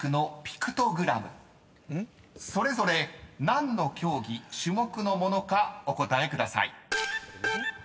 ［それぞれ何の競技種目のものかお答えください］